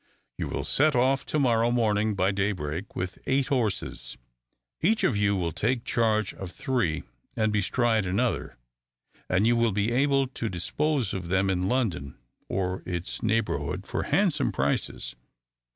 "You will set off to morrow morning by daybreak, with eight horses. Each of you will take charge of three and bestride another, and you will be able to dispose of them in London or its neighbourhood for handsome prices.